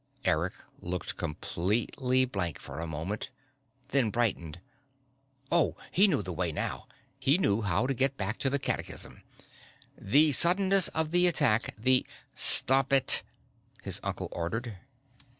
Eric looked completely blank for a moment, then brightened. Oh! He knew the way now. He knew how to get back to the catechism: "The suddenness of the attack, the " "Stop it!" his uncle ordered.